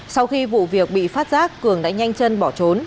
sau khi vụ việc bị phát giác cường đã nhanh chân bỏ trốn